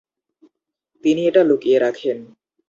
তিনি এটা লুকিয়ে রাখেন।